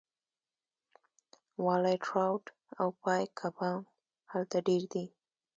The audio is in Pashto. والای ټراوټ او پایک کبان هلته ډیر دي